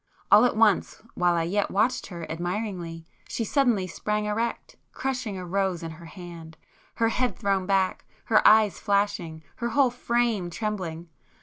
All at once, while I yet watched her admiringly, she suddenly sprang erect, crushing a rose in her hand,—her head thrown back, her eyes flashing, her whole frame trembling.